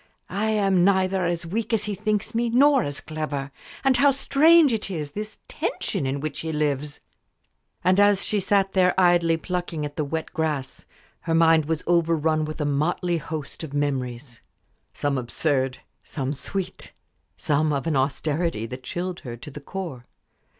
"I am neither as weak as he thinks me nor as clever. And how strange it is this tension in which he lives!" And as she sat there idly plucking at the wet grass, her mind was overrun with a motley host of memories some absurd, some sweet, some of an austerity that chilled her to the core.